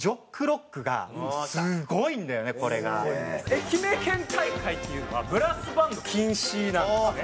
愛媛県大会っていうのはブラスバンド禁止なんですね。